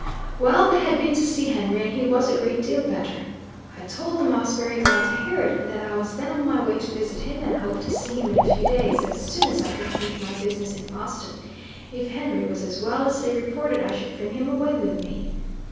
Well, they had been to see Henry, and he was a great deal better. I told them I was very glad to hear it, and that I was then on my way to visit him, and hoped to see him in a few days, as soon as I could finish my business in Boston; if Henry was as well as they reported I should bring him away with me.